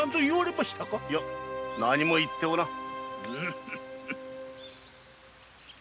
いや何も言っておらん。